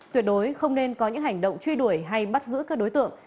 tuyệt đối không nên có những hành động truy đuổi hay bắt giữ các đối tượng